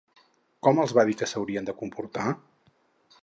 Com els va dir que s'haurien de comportar?